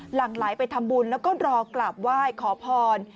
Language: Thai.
หลังไหลไปทำบุญแล้วก็รอกราบไหว้ขอพร